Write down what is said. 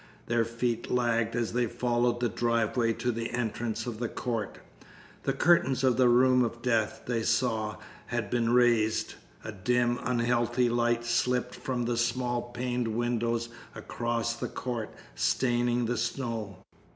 Their feet lagged as they followed the driveway to the entrance of the court. The curtains of the room of death, they saw, had been raised. A dim, unhealthy light slipped from the small paned windows across the court, staining the snow.